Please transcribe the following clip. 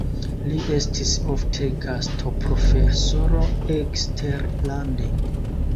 Li estis ofte gastoprofesoro eksterlande.